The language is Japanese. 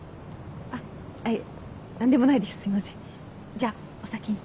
じゃあお先に。